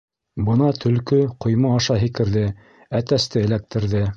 Бына төлкө ҡойма аша һикерҙе, Әтәсте эләктерҙе.